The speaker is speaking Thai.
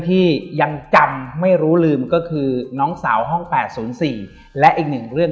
ที่ยังจำไม่รู้ลืมก็คือน้องสาวห้อง๘๐๔และอีกหนึ่งเรื่อง